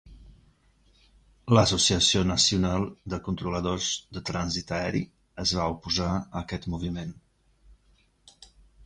L'Associació Nacional de Controladors de Trànsit Aeri es va oposar a aquest moviment.